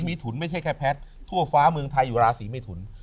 มีถุนไม่ใช่แค่แพทย์ทั่วฟ้าเมืองไทยอยู่ราศีเมทุน